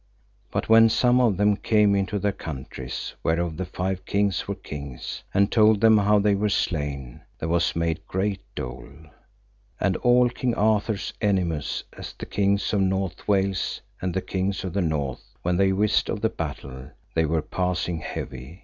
But when some of them came into their countries, whereof the five kings were kings, and told them how they were slain, there was made great dole. And all King Arthur's enemies, as the King of North Wales, and the kings of the North, [when they] wist of the battle, they were passing heavy.